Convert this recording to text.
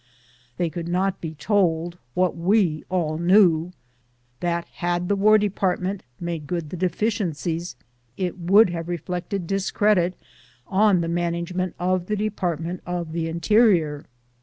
They could not be told, what we all knew, that had the War Department made good the deficiencies it would have reflected dis credit on the management of the Department of the In terior.